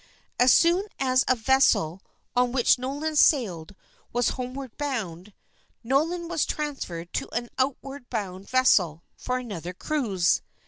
As soon as a vessel on which Nolan sailed was homeward bound, Nolan was transferred to an outward bound vessel for another cruise.